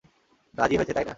রাজি হয়েছে, তাই না?